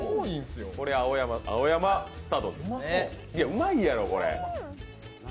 うまいやろ、これ。